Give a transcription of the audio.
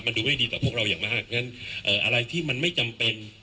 มันดูไม่ดีต่อพวกเราอย่างมากงั้นอะไรที่มันไม่จำเป็น